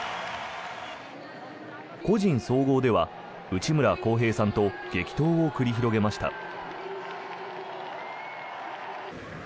個人総合では内村航平さんと激闘を繰り広げました。